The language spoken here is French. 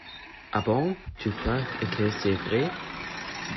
Ah bon? Tu crois que c'est vrai ?